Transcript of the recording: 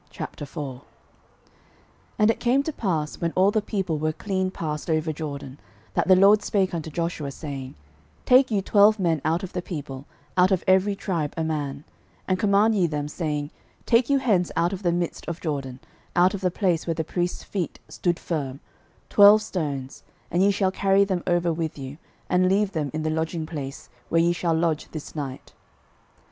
06:004:001 And it came to pass, when all the people were clean passed over Jordan, that the LORD spake unto Joshua, saying, 06:004:002 Take you twelve men out of the people, out of every tribe a man, 06:004:003 And command ye them, saying, Take you hence out of the midst of Jordan, out of the place where the priests' feet stood firm, twelve stones, and ye shall carry them over with you, and leave them in the lodging place, where ye shall lodge this night.